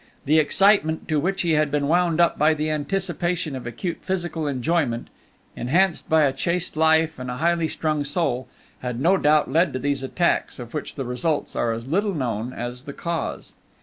The excitement to which he had been wound up by the anticipation of acute physical enjoyment, enhanced by a chaste life and a highly strung soul, had no doubt led to these attacks, of which the results are as little known as the cause.